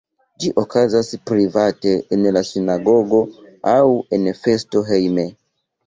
Ĝi okazas private en la sinagogo aŭ en festo hejme.